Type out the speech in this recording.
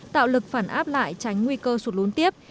tạo lực phản áp lại tránh nguy cơ sụt lún tiếp